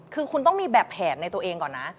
คือคุณต้องมีแบบแผนในตัวเองก่อนนะ